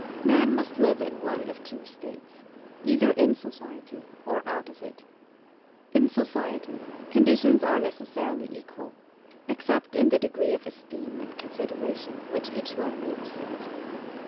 Man must live in one of two states: either in society, or out of it. In society, conditions are necessarily equal, except in the degree of esteem and consideration which each one may receive.